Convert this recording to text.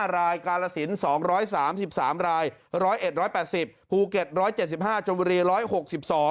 ๕๘๕รายกาลสิน๒๓๓ราย๑๐๑๑๘๐ภูเก็ต๑๗๕จมูรี๑๖๒